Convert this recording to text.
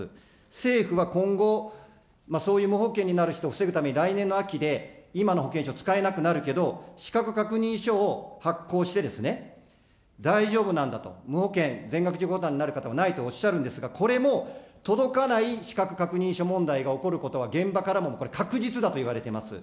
政府は今後、そういう無保険になる人を防ぐために来年の秋で今の保険証、使えなくなるけど、資格確認書を発行してですね、大丈夫なんだと、無保険、全額自己負担になる方はないとおっしゃるんですが、これも届かないしかく確認書問題が起こることは現場からもこれ、確実だといわれてます。